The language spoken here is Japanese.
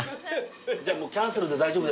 じゃあもうキャンセルで大丈夫です。